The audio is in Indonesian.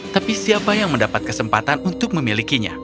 tapi siapa yang mendapat kesempatan untuk memilikinya